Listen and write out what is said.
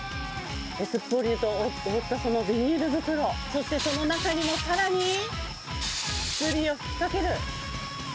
すっぽりと覆ったそのビニール袋、そしてその中にも、さらに薬を吹きかける。